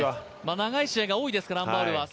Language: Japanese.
長い試合が多いですから、アン・バウルは。